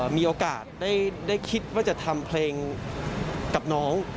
มีโอกาสได้คิดว่าจะทำเพลงกับน้อง